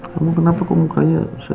kamu kenapa kok mukanya sedih